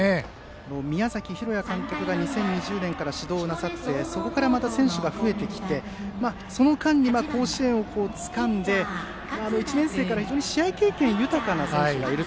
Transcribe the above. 宮崎裕也監督が指導をなさってそこから選手が増えてきてその間に甲子園をつかんで１年生から非常に試合経験豊かな選手がいる。